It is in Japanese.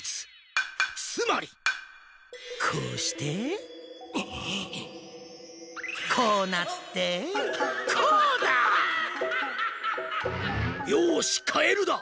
つまり！こうしてこうなってこうだ！よしカエルだ。